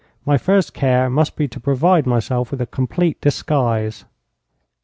My first care must be to provide myself with a complete disguise.